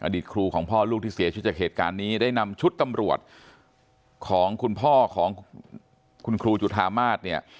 ครูของพ่อลูกที่เสียชีวิตจากเหตุการณ์นี้ได้นำชุดตำรวจของคุณพ่อของคุณครูจุธามาศเนี่ย